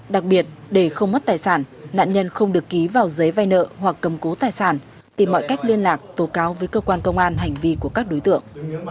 đặc biệt để không mất tài sản nạn nhân không được ký vào giấy vay nợ hoặc cầm cố tài sản tìm mọi cách liên lạc tố cáo với cơ quan công an hành vi của các đối tượng